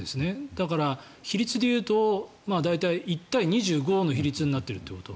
だから、比率でいうと大体１対２５の比率になっているということ。